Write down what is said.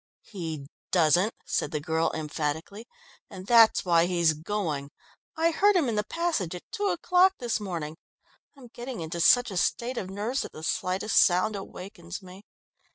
"He doesn't," said the girl emphatically, "and that's why he's going. I heard him in the passage at two o'clock this morning; I'm getting into such a state of nerves that the slightest sound awakens me.